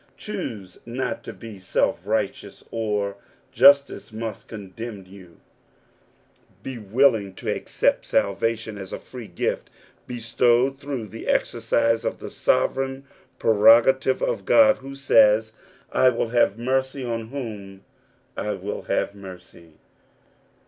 Choose not to be self righteous, or justice must condemn you ; be willing to accept salvation as a free gift bestowed through the exercise of the sovereign prerogative of God, who says, " I will have mercy on whom I will have mercy."